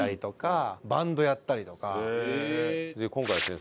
今回ですね